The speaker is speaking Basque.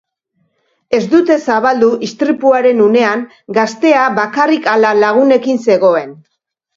Ez dute zabaldu istripuaren unean gaztea bakarrik ala lagunekin zegoen.